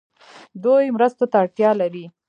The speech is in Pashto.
دوی مرستو ته اړتیا لري.